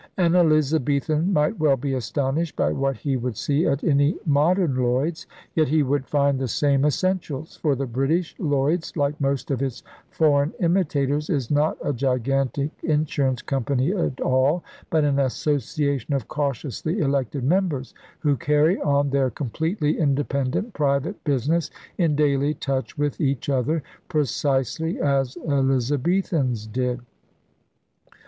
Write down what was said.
An Eliz abethan might well be astonished by what he would see at any modern Lloyd's. Yet he would find the same essentials; for the British Lloyd's, like most of its foreign imitators, is not a gigantic insurance company at all, but an association of cautiously elected members who carry on their completely independent private business in daily touch with each other — precisely as Elizabethans did.